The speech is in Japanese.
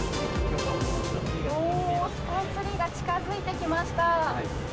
おー、スカイツリーが近づいてきました。